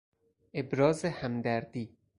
ابراز همدردی